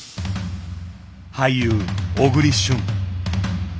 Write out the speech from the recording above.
俳優小栗旬。